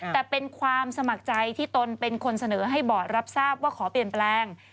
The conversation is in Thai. แต่เป็นความสมัครใจที่ตนเป็นคนเสนอให้บอร์ดรับทราบว่าขอเปลี่ยนแปลง